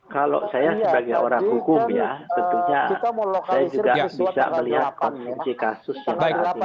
kalau saya sebagai orang hukum ya tentunya saya juga bisa melihat kondisi kasus yang saat ini